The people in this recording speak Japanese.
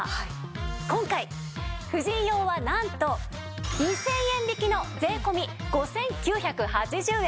今回婦人用はなんと２０００円引きの税込５９８０円。